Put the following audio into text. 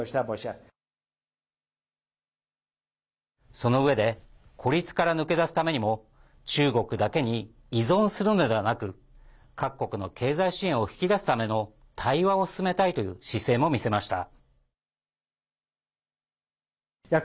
そのうえで孤立から抜け出すためにも中国だけに依存するのではなく各国の経済支援を引き出すための対話を進めたいという姿勢も見せました。